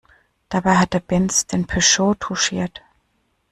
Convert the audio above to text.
Dabei hat der Benz den Peugeot touchiert.